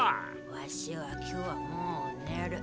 ワシは今日はもう寝る。